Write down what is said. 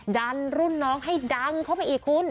ดันรุ่นน้องให้ดังเข้าไปอีกคุณ